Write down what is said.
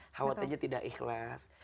khawatirnya tidak ikhlas